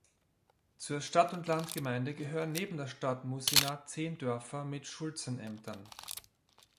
Zur Stadt-und-Land-Gemeinde gehören neben der Stadt Muszyna zehn Dörfer mit Schulzenämtern.